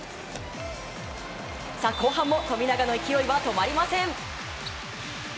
さあ、後半も富永の勢いは止まりません。